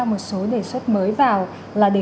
một số đề xuất mới vào là để